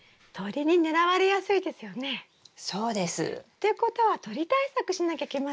っていうことは鳥対策しなきゃいけませんね。